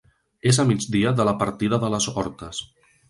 És a migdia de la partida de les Hortes.